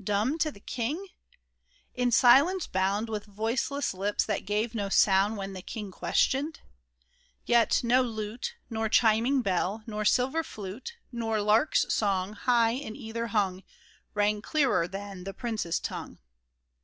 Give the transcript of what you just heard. Dimib to the king ? In silence bound, With voiceless lips that gave no sound When the king questioned ?— Yet, no lute. Nor chiming bell, nor silver flute. Nor lark's song, high in ether hung, Rang clearer than the prince's tongue